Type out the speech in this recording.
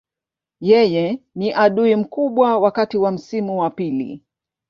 Yeye ni adui mkubwa wakati wa msimu wa pili.